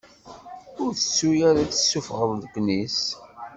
Ur tettu ara ad tessufɣeḍ leknis!